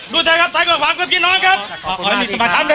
ดูสิครับท่านกว่าผมก็พี่น้องครับดูสิครับดูสิครับ